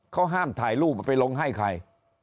เขาห้ามถ่ายรูปเอาไปลงให้ใคร